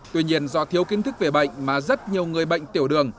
tuy nhiên do thiếu kiến thức về bệnh mà rất nhiều người bệnh tiểu đường